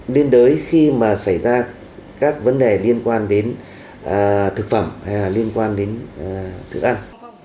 liên đối khi mà xảy ra các vấn đề liên quan đến thực phẩm hay là liên quan đến thức ăn